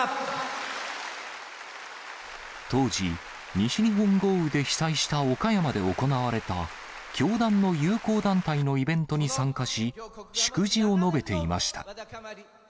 当時、西日本豪雨で被災した岡山で行われた、教団の友好団体のイベントに参加し、祝辞を述べていました。